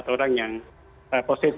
empat orang yang positif